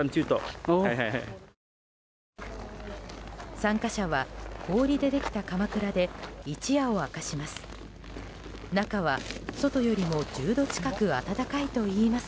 参加者は、氷でできたかまくらで一夜を明かします。